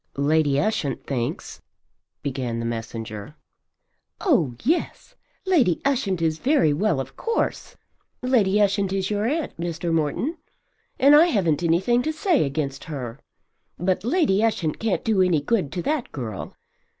"Lady Ushant thinks " began the messenger. "Oh yes, Lady Ushant is very well of course. Lady Ushant is your aunt, Mr. Morton, and I haven't anything to say against her. But Lady Ushant can't do any good to that girl.